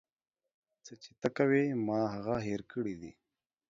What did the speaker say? څه چې ته کوې ما هغه هير کړي دي.